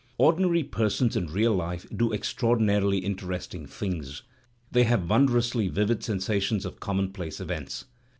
Ordi nary persons in real life do extraordinarily interesting things, they have wondrously vivid sensations of common place events.